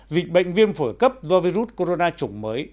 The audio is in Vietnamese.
dịch bệnh viêm phổi cấp do virus corona chủng mới